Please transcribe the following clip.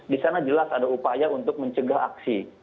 di sana jelas ada upaya untuk mencegah aksi